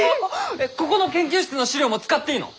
ここの研究室の資料も使っていいの？